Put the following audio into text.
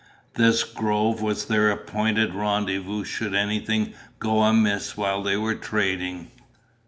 This grove was their appointed rendezvous should anything go amiss while they were trading.